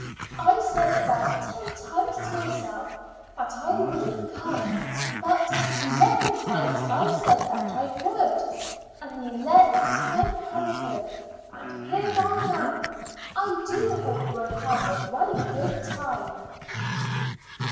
I said about ten times to myself that I wouldn't come, but eleven times I said that I would; and the eleventh time conquered, and here I am. I do hope we'll have a right good time."